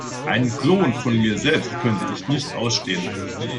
Einen Klon von mir selbst könnte ich nicht ausstehen.